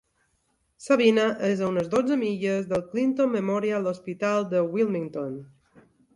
Sabina és a unes dotze milles del Clinton Memorial Hospital de Wilmington.